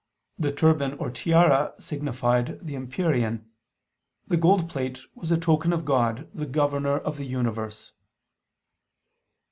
The turban or tiara signified the empyrean: the golden plate was a token of God, the governor of the universe.